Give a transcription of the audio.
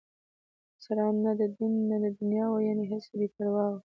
افسران نه د دین نه د دنیا وو، یعنې هسې بې پروا ول.